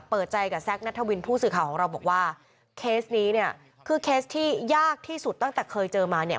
เปิดใจกับแซคนัทวินผู้สื่อข่าวของเราบอกว่าเคสนี้เนี่ยคือเคสที่ยากที่สุดตั้งแต่เคยเจอมาเนี่ย